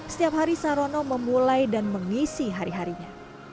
setiap hari sarono memulai dan mengisi hari harinya